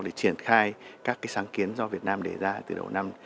để triển khai các sáng kiến do việt nam đề ra từ đầu năm